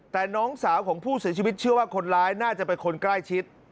แต่น้องสาวของผู้เสียชีวิตเชื่อว่าคนร้ายน่าจะเป็นคนใกล้ชิด